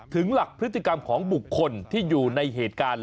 ถึงหลักพฤติกรรมของบุคคลที่อยู่ในเหตุการณ์